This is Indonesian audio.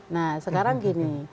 nah sekarang gini